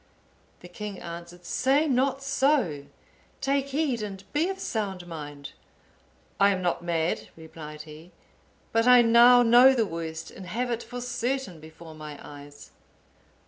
The king answered, "Say not so; take heed and be of sound mind." "I am not mad," replied he, "but I now know the worst and have it for certain before my eyes."